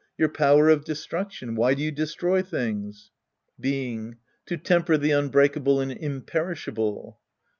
Your power of destruction. Why do you destroy things ? Beingl To temper the unbreakable and imper ishable.